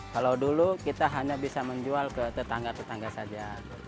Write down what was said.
kalau dulu kita hanya bisa menjual ke tetangga tetangga saja